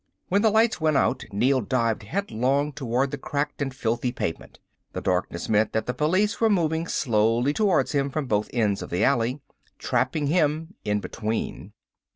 When the lights went out, Neel dived headlong towards the cracked and filthy pavement. The darkness meant that the police were moving slowly towards him from both ends of the alley, trapping him in between.